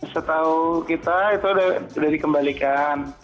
setahu kita itu sudah dikembalikan